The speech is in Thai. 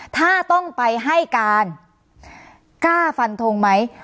ถ้าต้องไปให้การกล้าฟันทงไหม